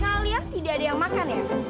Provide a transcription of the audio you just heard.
kalian tidak ada yang makan ya